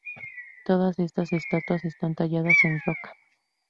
Todas estas estatuas están talladas en roca.